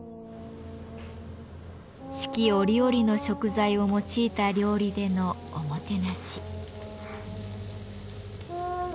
四季折々の食材を用いた料理でのおもてなし。